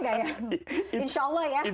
insya allah ya